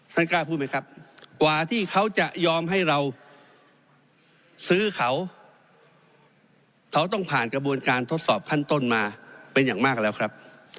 ท่านกล้าพูดไหมครับกว่าที่เขาจะยอมให้เราซื้อเขาเขาต้องผ่านกระบวนการทดสอบขั้นต้นมาเป็นอย่างมากแล้วครับ